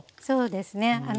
そうですね